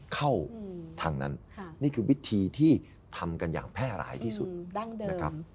เข้าทางนั้นค่ะนี่คือวิธีที่ทำกันอย่างแพร่หลายที่สุดอืมดั้งเดิม